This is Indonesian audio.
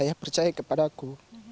ayah percaya kepadaku